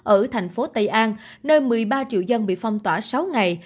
ở thành phố tây an nơi một mươi ba triệu dân bị phong tỏa sáu ngày